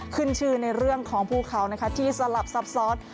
ขึ้นชื่อในเรื่องของภูเขานะคะที่สลับซับซ้อน